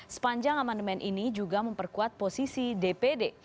sepanjang amandemen ini juga memperkuat posisi dpd